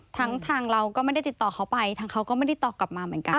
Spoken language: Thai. ทางเราก็ไม่ได้ติดต่อเขาไปทางเขาก็ไม่ได้ตอบกลับมาเหมือนกัน